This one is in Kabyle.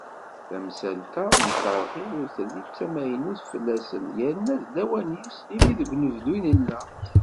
Tamsalt-a n terɣi ur telli d tamaynut fell-asen, yerna d lawan-is, imi deg unebdu i nella.